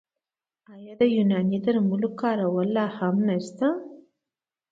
آیا د یوناني درملو کارول لا هم نشته؟